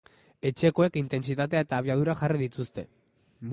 Etxekoek intentsitatea eta abiadura jarri dituzte.